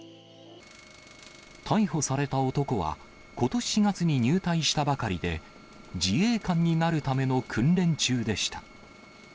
逮捕された男は、ことし４月に入隊したばかりで、自衛官になるための訓練中でした。